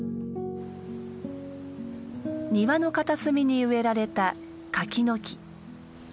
庭の片隅に植えられた柿の木。